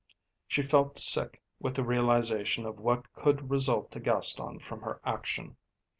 She felt sick with the realisation of what could result to Gaston from her action.